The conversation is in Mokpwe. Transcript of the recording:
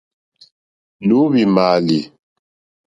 Nǒhwì mààlì.